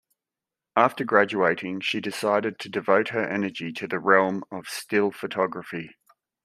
After graduating, she decided to devote her energy to the realm of still photography.